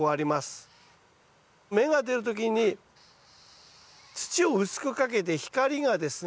芽が出る時に土を薄くかけて光がですね